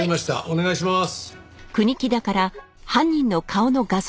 お願いします。